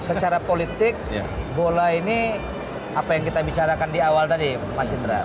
secara politik bola ini apa yang kita bicarakan di awal tadi mas indra